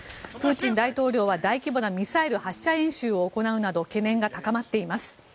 プーチン大統領は、大規模なミサイル発射演習を行うなど懸念が高まっています。